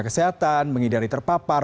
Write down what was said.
kesehatan mengidari terpapar